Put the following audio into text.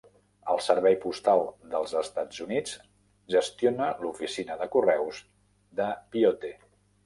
El Servei postal del Estats Units gestiona l'oficina de correus de Pyote.